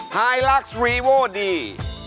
ไฮลักษ์รีโวดี